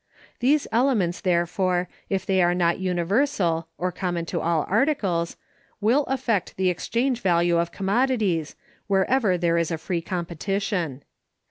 These elements, therefore, if they are not universal (or common to all articles), will affect the exchange value of commodities, wherever there is a free competition.